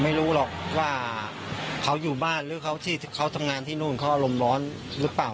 ไม่รู้หรอกว่าเขาอยู่บ้านหรือเขาที่เขาทำงานที่นู่นเขาอารมณ์ร้อนหรือเปล่า